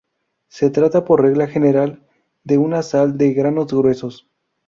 Se trata, por regla general, de una sal de granos gruesos.